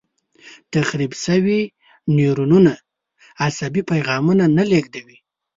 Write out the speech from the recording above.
تخریب شوي نیورونونه عصبي پیغامونه نه لېږدوي.